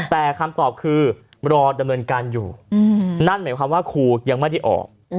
แต่คำตอบคือรอดำเนินการอยู่นั่นหมายความว่าครูยังไม่ได้ออก